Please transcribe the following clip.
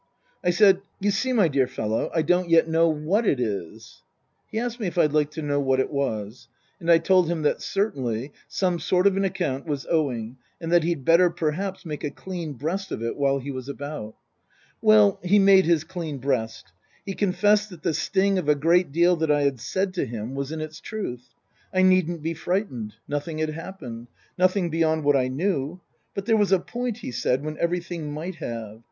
I said, " You see, my dear fellow, I don't yet know what it is." He asked me if I'd like to know what it was ? And I told him that, certainly, some sort of an account was owing and that he'd better perhaps make a clean breast of it while he was about it. Well he made his clean breast. He confessed that the sting of a great deal that I had said to him was in its truth. I needn't be frightened. Nothing had happened. Nothing beyond what I knew. But there was a point, he said, when everything might have.